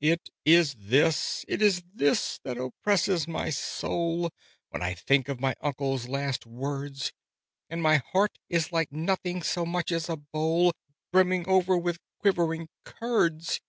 "It is this, it is this that oppresses my soul, When I think of my uncle's last words: And my heart is like nothing so much as a bowl Brimming over with quivering curds!